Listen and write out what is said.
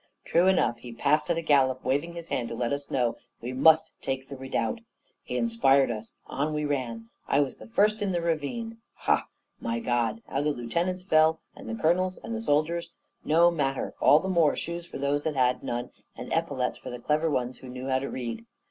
True enough; he passed at a gallop, waving his hand to let us know we must take the redoubt. He inspired us; on we ran; I was the first in the ravine. Ha! my God! how the lieutenants fell, and the colonels, and the soldiers! No matter! all the more shoes for those that had none, and epaulets for the clever ones who knew how to read.